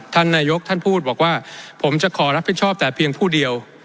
ท่านนายกท่านพูดบอกว่าผมจะขอรับผิดชอบแต่เพียงผู้เดียว